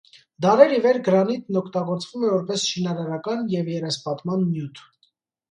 Դարեր ի վեր գրանիտն օգտագործվում է որպես շինարարական և երեսպատման նյութ։